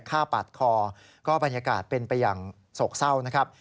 ฆ่าปาดคอก็บรรยากาศเป็นไปอย่างโศกเศร้านะครับ